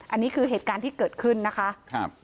อันนี้คือเหตุการณ์ที่เกิดขึ้นนะคะ